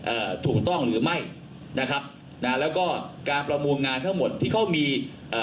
อ่าถูกต้องหรือไม่นะครับนะแล้วก็การประมูลงานทั้งหมดที่เขามีเอ่อ